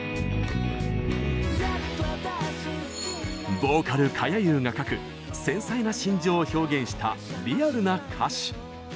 ボーカル・かやゆーが書く繊細な心情を表現したリアルな歌詞。